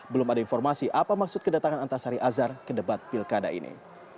belum ada informasi apa maksud kedatangan antasari azhar ke debat pilkada ini